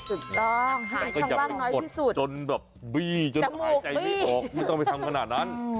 ถูกต้องหายช่องบ้านน้อยที่สุดจมูกบีจนหายใจไม่ออกไม่ต้องไปทำขนาดนั้น